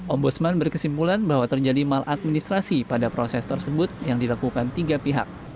ombudsman berkesimpulan bahwa terjadi maladministrasi pada proses tersebut yang dilakukan tiga pihak